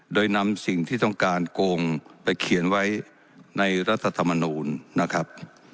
โดยนำสิ่งที่ต้องการโกงไปเขียนไว้ในรัฐธรรมนูลนะครับ